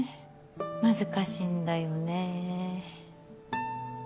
難しいんだよね。